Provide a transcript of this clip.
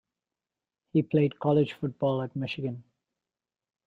He played college football at Michigan.